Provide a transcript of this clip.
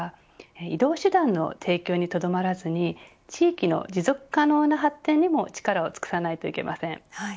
これからの鉄道会社などは移動手段の提供にとどまらずに地域の持続可能な発展にも力を尽くさないといけません。